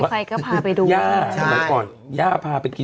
ใครก็พาไปดู